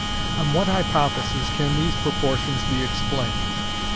On what hypothesis can these proportions be explained?